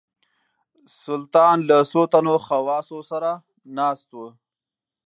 سلطان له څو تنو خواصو سره ناست وو.